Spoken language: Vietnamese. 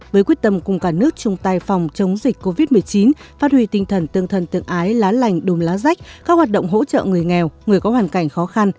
với quyết tâm cùng cả nước chung tay phòng chống dịch covid một mươi chín phát huy tinh thần tương thân tương ái lá lành đùm lá rách các hoạt động hỗ trợ người nghèo người có hoàn cảnh khó khăn